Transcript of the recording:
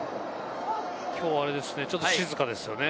きょうちょっと静かですよね。